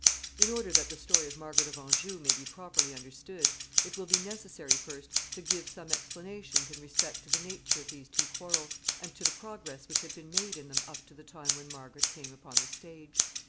] In order that the story of Margaret of Anjou may be properly understood, it will be necessary first to give some explanations in respect to the nature of these two quarrels, and to the progress which had been made in them up to the time when Margaret came upon the stage.